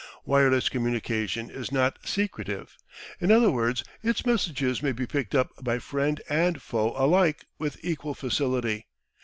Wireless communication is not secretive. In other words, its messages may be picked up by friend and foe alike with equal facility.